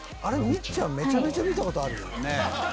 みっちゃんめちゃめちゃ見た事あるぞ」